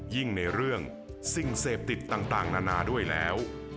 ในเรื่องสิ่งเสพติดต่างนานาด้วยแล้ว